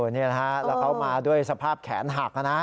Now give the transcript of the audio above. นี่นะฮะแล้วเขามาด้วยสภาพแขนหักนะ